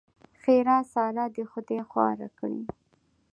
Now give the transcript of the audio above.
ښېرا؛ سار دې خدای خواره کړي!